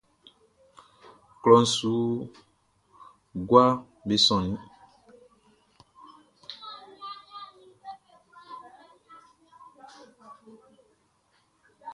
Klɔʼn su guaʼm be sonnin.